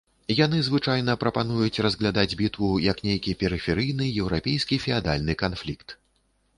Яны звычайна прапануюць разглядаць бітву як нейкі перыферыйны еўрапейскі феадальны канфлікт.